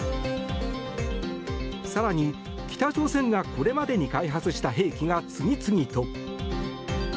更に、北朝鮮がこれまでに開発した兵器が次々と。